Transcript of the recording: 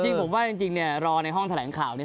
จริงผมว่าจริงรอในห้องแถลงข่าว